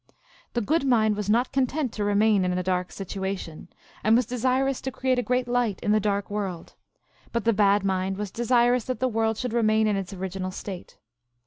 The Good Mind was not content to remain in a dark situation, and was desirous to create a great light in the dark world ; but the Bad Mind was desirous that the world should remain in its orig inal state.